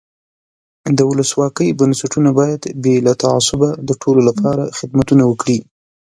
د ولسواکۍ بنسټونه باید بې له تعصبه د ټولو له پاره خدمتونه وکړي.